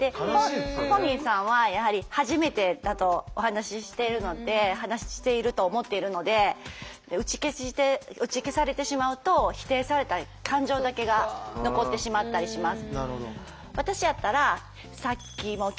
本人さんはやはり初めてだとお話ししてるので話していると思っているので打ち消されてしまうと否定された感情だけが残ってしまったりします。